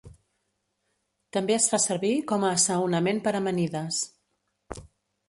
També es fa servir com a assaonament per a amanides.